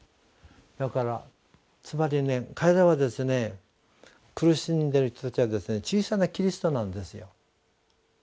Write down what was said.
だからつまり彼らはですね苦しんでいる人たちは小さなキリストなんですよ。